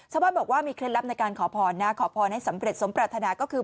ชาวบ้านบอกว่ามีเคล็ดลับในการขอพรนะขอพรให้สำเร็จสมปรารถนาก็คือ